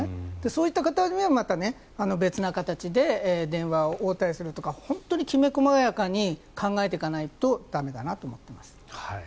そういった方にはまた別に電話を応対するとか本当にきめ細やかに考えていかないと駄目だなと思っています。